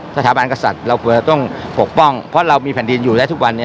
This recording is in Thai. สถาบันกษัตริย์เราควรจะต้องปกป้องเพราะเรามีแผ่นดินอยู่และทุกวันนี้